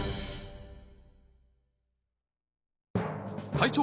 隊長！